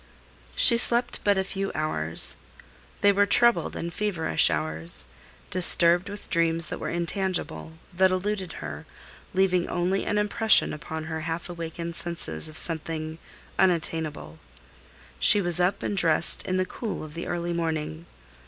XII She slept but a few hours. They were troubled and feverish hours, disturbed with dreams that were intangible, that eluded her, leaving only an impression upon her half awakened senses of something unattainable. She was up and dressed in the cool of the early morning.